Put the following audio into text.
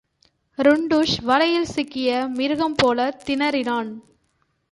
டுன்டுஷ் வலையில் சிக்கிய மிருகம்போலத் திணறினான்.